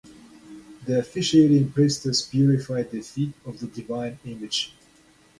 The officiating priestess purified the feet of the divine image.